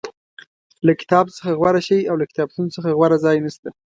له کتاب څخه غوره شی او له کتابتون څخه غوره ځای نشته.